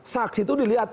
saksi itu dilihat